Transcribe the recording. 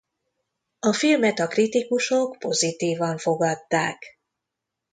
A filmet a kritikusok pozitívan fogadták.